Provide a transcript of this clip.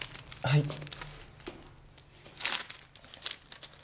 はい。